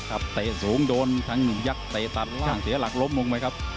ครับเสร็จสูงโดนทั้งหนึ่งยักษ์เตะต่างล่างเสร็จลักล้มลงไปครับ